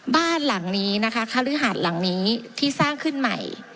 บ้านหลังนี้นะคะคฤหาดหลังนี้ที่สร้างขึ้นใหม่